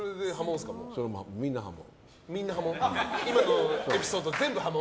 みんな破門。